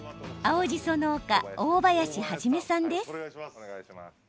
青じそ農家、大林元さんです。